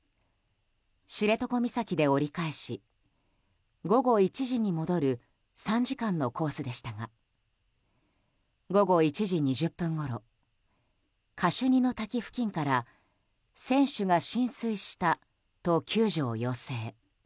知床岬で折り返し午後１時に戻る３時間のコースでしたが午後１時２０分ごろカシュニの滝付近から船首が浸水したと救助を要請。